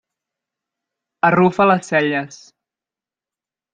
Arrufa les celles.